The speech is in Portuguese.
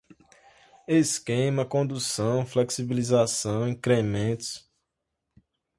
esquema, condução, flexibilização, incrementos